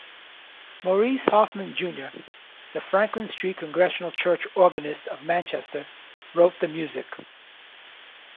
Maurice Hoffman, Junior the Franklin Street Congregational Church organist of Manchester, wrote the music.